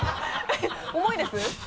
えっ重いです？